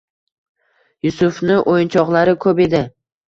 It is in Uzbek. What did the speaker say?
Yusufnu o'yinchoqlari ko'p edi